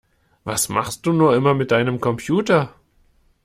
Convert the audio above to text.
Was machst du nur immer mit deinem Computer?